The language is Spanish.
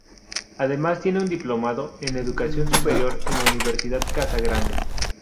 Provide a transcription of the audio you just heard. Además tiene un diplomado en Educación Superior en la Universidad Casa Grande.